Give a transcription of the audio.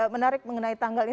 menarik mengenai tanggal ini